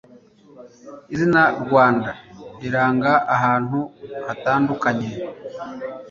Izina “Rwanda” riranga ahantu hatandukanye